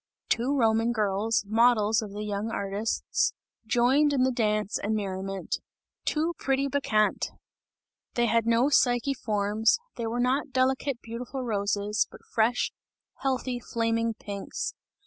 Two Roman girls, models of the young artists, joined in the dance and merriment; two pretty Bacchante! They had no Psyche forms, they were not delicate beautiful roses, but fresh, healthy flaming pinks.